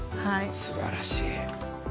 すばらしい。